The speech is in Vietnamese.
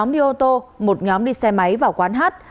một ô tô một nhóm đi xe máy vào quán hát